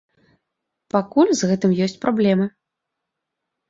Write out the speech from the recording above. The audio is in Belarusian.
Пакуль з гэтым ёсць праблемы.